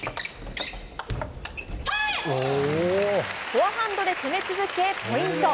フォアハンドで攻め続けポイント。